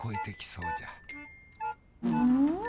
うん。